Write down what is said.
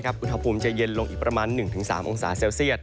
อุณหภูมิจะเย็นลงอีกประมาณ๑๓องศาเซลเซียต